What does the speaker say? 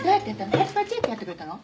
パチパチってやってくれたの？